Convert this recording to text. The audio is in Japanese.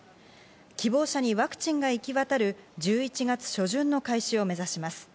希望者にワクチンが行き渡る１１月初旬の開始を目指します。